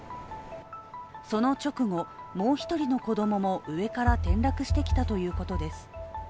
その直後、もう一人の子供も上から転落してきたということです。